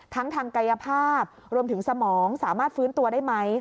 ทางกายภาพรวมถึงสมองสามารถฟื้นตัวได้ไหม